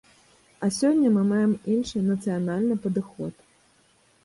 А сёння мы маем іншы, нацыянальны падыход.